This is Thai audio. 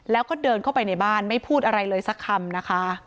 แล้วก็เดินเข้าไปในบ้านไม่พูดอะไรเลยสักคำนะคะ